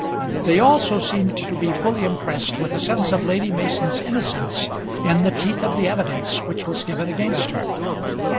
They also seemed to be fully impressed with a sense of Lady Mason's innocence in the teeth of the evidence which was given against her.